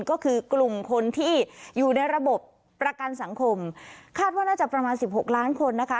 ก็คือกลุ่มคนที่อยู่ในระบบประกันสังคมคาดว่าน่าจะประมาณสิบหกล้านคนนะคะ